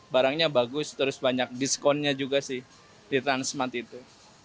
barangnya bagus terus banyak diskonnya juga sih di transmart itu